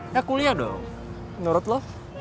ya kuliah dong menurut lo